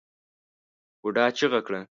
بوډا چيغه کړه!